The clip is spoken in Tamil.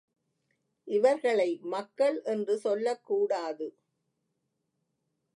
இவர்களை மக்கள் என்று சொல்லக்கூடாது.